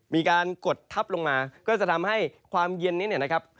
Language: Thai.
กดทับลงมาก็จะทำให้ความเย็นนี้เนี่ยนะครับ